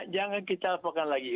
jangan kita apakan lagi